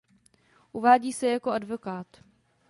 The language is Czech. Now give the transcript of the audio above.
Uvádí se jako advokát.